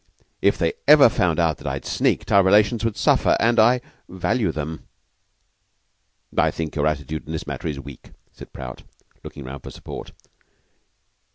If they ever found out that I had sneaked, our relations would suffer and I value them." "I think your attitude in this matter is weak," said Prout, looking round for support.